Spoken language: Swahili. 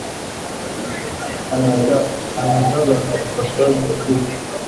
Anazala kwa upasuaji wa kisu